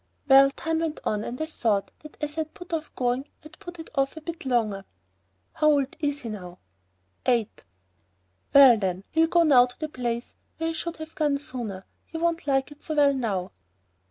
"Well, time went on and I thought that as I'd put off going I'd put it off a bit longer." "How old is he now?" "Eight." "Well then, he'll go now to the place where he should have gone sooner, and he won't like it so well now."